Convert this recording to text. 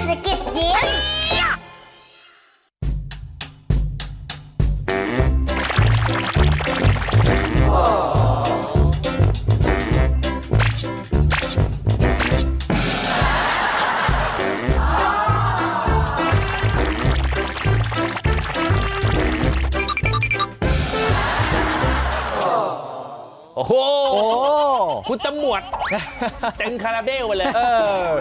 โอ้โหคุณตำรวจเต็มคาราเบลไปเลยเออ